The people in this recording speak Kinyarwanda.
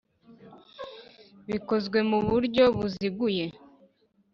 bikozwe mu buryo buziguye